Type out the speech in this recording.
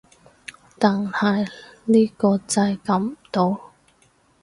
但係呢個掣撳唔到